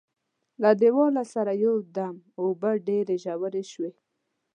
له دیواله سره یو دم اوبه ډېرې ژورې شوې.